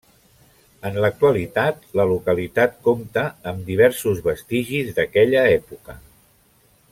En l'actualitat la localitat compta amb diversos vestigis d'aquella època.